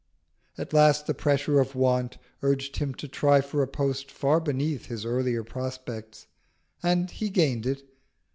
At last the pressure of want urged him to try for a post far beneath his earlier prospects, and he gained it.